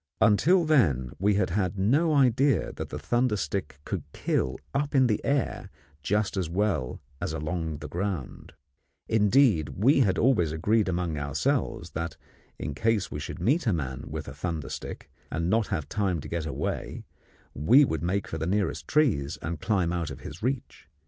Until then we had had no idea that the thunder stick could kill up in the air just as well as along the ground; indeed, we had always agreed among ourselves that, in case we should meet a man with a thunder stick and not have time to get away, we would make for the nearest trees and climb out of his reach.